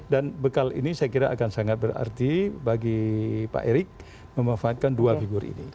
dan bekal ini saya kira akan sangat berarti bagi pak erick memanfaatkan dua figur ini